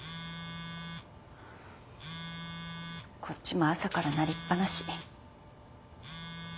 こっちも朝から鳴りっ放し。